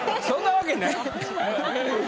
そんなわけない。